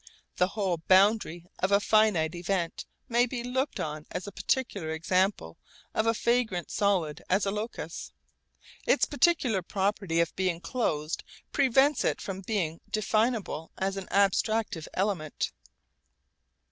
The whole boundary of a finite event may be looked on as a particular example of a vagrant solid as a locus. Its particular property of being closed prevents it from being definable as an abstractive element.